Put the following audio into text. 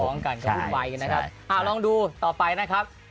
ฟ้องกันนั้นก็คิดไวนะครับลองดูต่อไปนะครับ